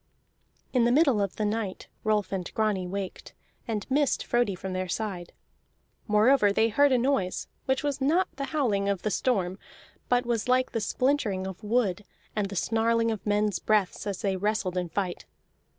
In the middle of the night Rolf and Grani waked, and missed Frodi from their side. Moreover they heard a noise, which was not the howling of the storm, but was like the splintering of wood and the snarling of men's breaths as they wrestled in fight.